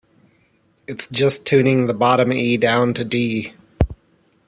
It's just tuning the bottom E down to D!